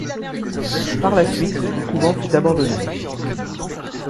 Par la suite, le couvent fut abandonné.